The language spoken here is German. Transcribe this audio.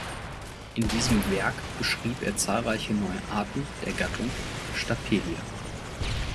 In diesem Werk beschrieb er zahlreiche neue Arten der Gattung "Stapelia".